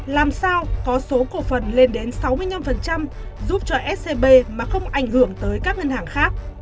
làm sao có số cổ phần lên đến sáu mươi năm giúp cho scb mà không ảnh hưởng tới các ngân hàng khác